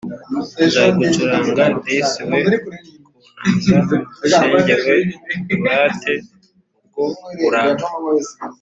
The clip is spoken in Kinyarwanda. Nzagucuranga disi we Ku nanga shenge we Nkurate ubwo buranga.